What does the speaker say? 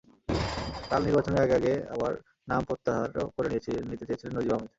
কাল নির্বাচনের আগে আগে আবার নাম প্রত্যাহারও করে নিতে চেয়েছিলেন নজীব আহমেদ।